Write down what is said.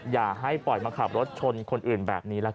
อย่าให้ปล่อยมาขับรถชนคนอื่นแบบนี้ละกัน